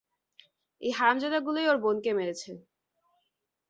এই হারামজাদাগুলোই ওর বোনকে মেরেছে।